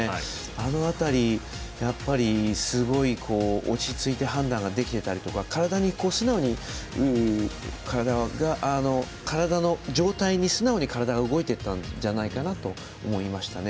あの辺り、やっぱりすごい落ち着いて判断ができていたりとか体の状態に素直に体が動いていったんじゃないかなと思いますね。